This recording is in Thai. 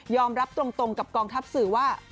รับตรงกับกองทัพสื่อว่า